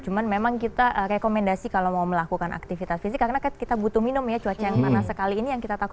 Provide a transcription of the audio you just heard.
cuman memang kita rekomendasi kalau mau melakukan aktivitas fisik karena kan kita butuh minum ya cuaca yang panas sekali ini yang kita takut